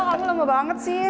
aduh kok kamu lama banget sih